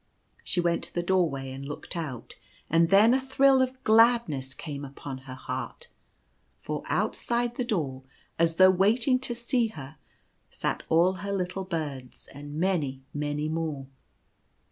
She went to the doorway and looked out, and then a thrill of gladness came upon her heart ; for outside the door, as though waiting to see her, sat all her little birds, and many many more.